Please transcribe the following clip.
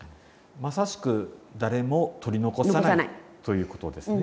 まさしく誰も取り残さないということですね。